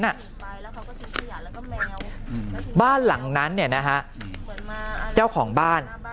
เขาก็ทิ้งขยะแล้วก็แมวบ้านหลังนั้นเนี้ยนะฮะเหมือนมาเจ้าของบ้าน